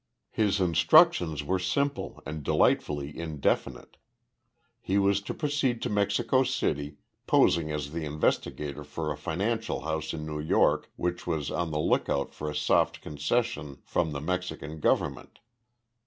His instructions were simple and delightfully indefinite. He was to proceed to Mexico City, posing as the investigator for a financial house in New York which was on the lookout for a soft concession from the Mexican government.